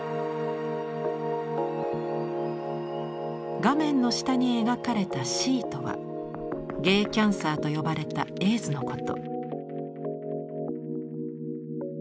画面の下に描かれた「Ｃ」とは「ＧａｙＣａｎｃｅｒ」と呼ばれたエイズのこと。